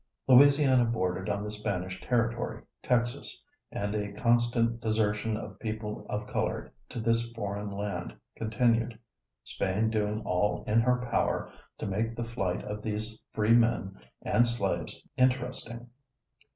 Louisiana bordered on the Spanish territory, Texas, and a constant desertion of people of color to this foreign land continued, Spain doing all in her power to make the flight of these free men and slaves interesting.